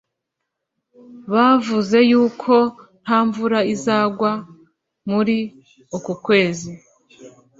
bavuzeyuko ntamvura izagwa muri ukukwezi.